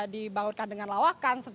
dibautkan dengan lawakan